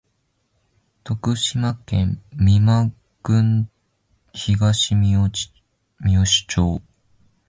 徳島県美馬郡東みよし町